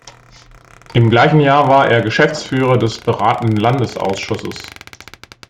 Im gleichen Jahr war er Geschäftsführer des Beratenden Landesausschusses.